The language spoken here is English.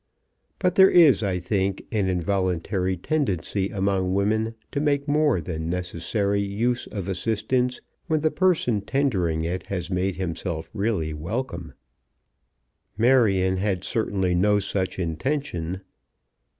But there is, I think, an involuntary tendency among women to make more than necessary use of assistance when the person tendering it has made himself really welcome. Marion had certainly no such intention.